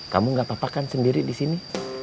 kamu nggak apa apa kan sendiri di sini